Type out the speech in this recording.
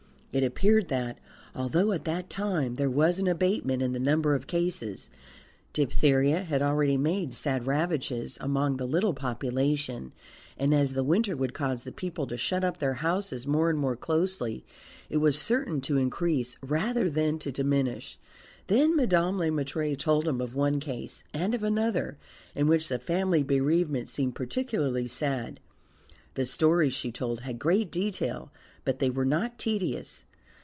It appeared that, although at that time there was an abatement in the number of cases, diphtheria had already made sad ravages among the little population; and as the winter would cause the people to shut up their houses more and more closely, it was certain to increase rather than to diminish. Then Madame Le Maître told him of one case, and of another, in which the family bereavement seemed particularly sad. The stories she told had great detail, but they were not tedious.